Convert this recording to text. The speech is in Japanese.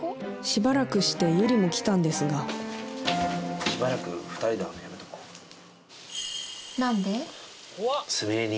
しばらくしてユリも来たんですがしばらく２人で会うのやめとこうなんで？